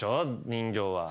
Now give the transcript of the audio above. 人形は。